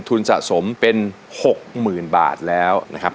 ทุนสะสมเป็น๖๐๐๐บาทแล้วนะครับ